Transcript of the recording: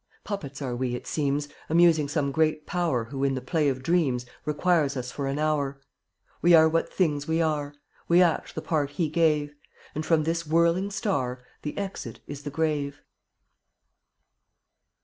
d ArSy* AY Puppets are we, it seems, Amusing some great Power C/ Who in the play of Dreams Requires us for an hour. We are what things we are; We act the part He gave, And from this whirling star The exit is the grave.